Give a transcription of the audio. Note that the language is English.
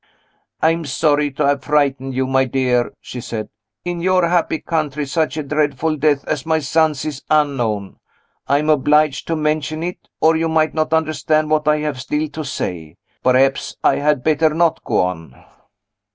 "I am sorry to have frightened you, my dear," she said. "In your happy country such a dreadful death as my son's is unknown. I am obliged to mention it, or you might not understand what I have still to say. Perhaps I had better not go on?"